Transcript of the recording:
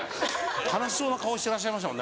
悲しそうな顔してらっしゃいましたもん。